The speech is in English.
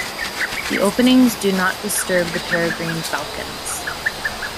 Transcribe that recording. The openings do not disturb the peregrine falcons.